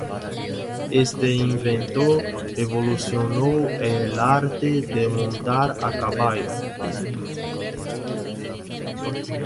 Este invento revolucionó el arte de montar a caballo.